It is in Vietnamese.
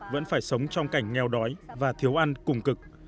vẫn phải sống trong cảnh nghèo đói và thiếu ăn cùng cực